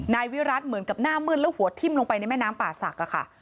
นายวิรัติเหมือนกับหน้ามืดแล้วหัวทิ้มลงไปในแม่น้ำป่าศักดิ์ค่ะ